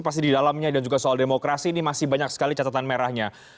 pasti di dalamnya dan juga soal demokrasi ini masih banyak sekali catatan merahnya